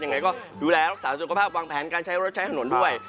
ยังไงก็ดูแลรักษาสุขภาพวางแผนการใช้รถใช้ถนนด้วย